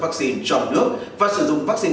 vắc xin cho nước và sử dụng vắc xin